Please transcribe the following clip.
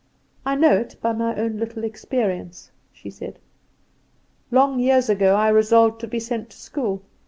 I know it by my own little experience," she said. "Long years ago I resolved to be sent to school.